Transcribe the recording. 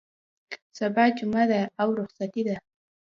سبا جمعه ده او رخصتي ده.